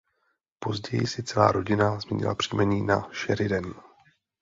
Později si celá rodina změnila příjmení na "Sheridan".